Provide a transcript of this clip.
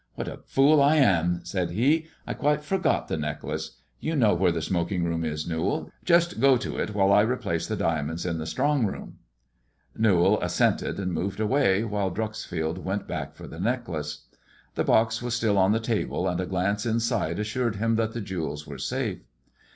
" What a fool I am !" said he, " I quite forgot the necklace. You know where the smoking room is, Newall. Just go to it while I replace the diamonds in the strong rooln." Newall assented and moved away, while Dreuxfield went back for the necklace. The box was still on the table, and a glance inside assured him that the jewels were safe.